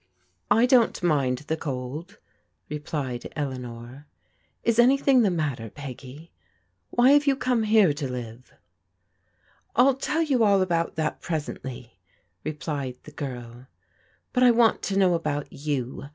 " I don't mind the cold," replied Eleanor. " Is any thing the matter, Peggy? Why have you come here to live?" " I'll tell you all about that presently," replied the girl, "but I want to know about you.